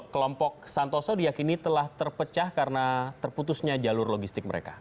kelompok santoso diakini telah terpecah karena terputusnya jalur logistik mereka